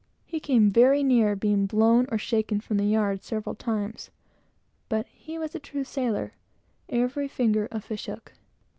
He came very near being blown or shaken from the yard, several times, but he was a true sailor, every finger a fish hook.